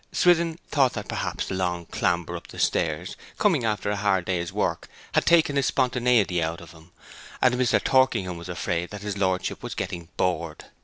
Swithin thought that perhaps the long clamber up the stairs, coming after a hard day's work, had taken his spontaneity out of him, and Mr. Torkingham was afraid that his lordship was getting bored.